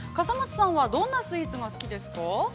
笠松さんは、どんなスイーツが好きですか。